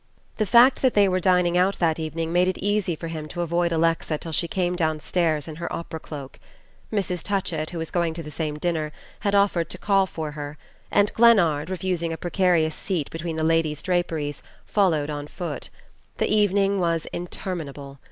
The fact that they were dining out that evening made it easy for him to avoid Alexa till she came downstairs in her opera cloak. Mrs. Touchett, who was going to the same dinner, had offered to call for her, and Glennard, refusing a precarious seat between the ladies' draperies, followed on foot. The evening was interminable.